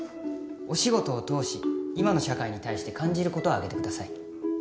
お仕事を通し今の社会に対して感じることを挙げてください。